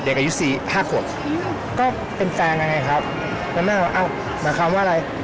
อายุสี่ห้าขวบก็เป็นแฟนกันไงครับแล้วแม่ก็อ้าวหมายความว่าอะไร